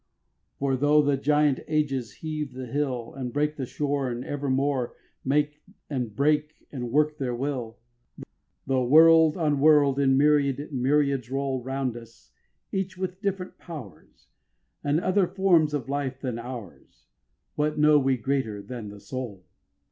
For tho' the Giant Ages heave the hill And break the shore, and evermore Make and break, and work their will; Tho' world on world in myriad myriads roll Round us, each with different powers, And other forms of life than ours, What know we greater than the soul?